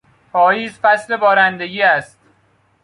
پاییز فصل بارندگی است.